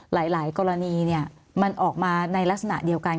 หลายกรณีมันออกมาในลักษณะเดียวกัน